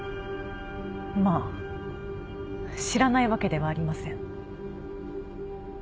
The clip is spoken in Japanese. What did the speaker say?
まあ知らないわけではありません。